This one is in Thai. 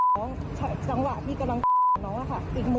ลองใช้จังหาดนี้นะคะ